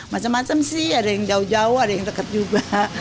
macam macam sih ada yang jauh jauh ada yang dekat juga